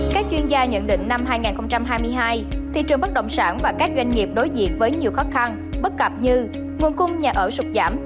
các chuyên gia nhận định năm hai nghìn hai mươi hai thị trường bất động sản và các doanh nghiệp đối diện với nhiều khó khăn bất cập như nguồn cung nhà ở sụt giảm